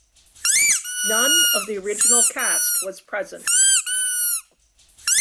None of the original cast was present.